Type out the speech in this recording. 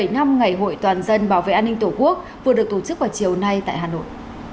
bảy năm ngày hội toàn dân bảo vệ an ninh tổ quốc vừa được tổ chức vào chiều nay tại hà nội